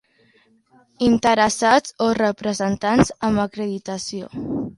Interessats o representants amb acreditació.